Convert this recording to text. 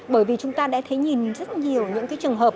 bởi vì chúng ta đã thấy nhìn rất nhiều những cái trường hợp